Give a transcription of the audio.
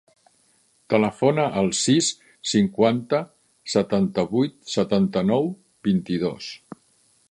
Telefona al sis, cinquanta, setanta-vuit, setanta-nou, vint-i-dos.